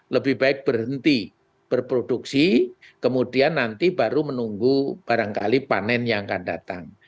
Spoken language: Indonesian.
lebih baik berhenti berproduksi kemudian nanti baru menunggu barangkali panen yang akan datang